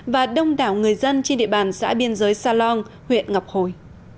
và đông đảo người dân trên địa bàn xã biên giới sa lon huyện ngọc hồi